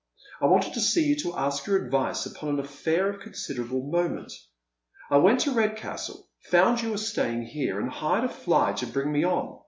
I wanted to see you to ask your advice upon an affair of con siderable moment. I went to Redcastle, found you were staying here, and hired a fly to bring me on.